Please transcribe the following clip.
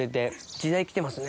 時代来てますね。